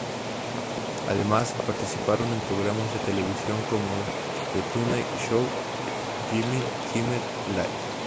Además, participaron en programas de televisión como "The Tonight Show", "Jimmy Kimmel Live!